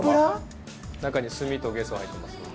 ・中に墨とゲソ入ってますので。